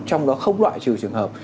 trong đó không loại trừ trường hợp